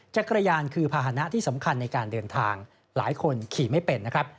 จักรยานคือภาษณะที่สำคัญในการเดินทางหลายคนขี่ไม่เป็นนะครับ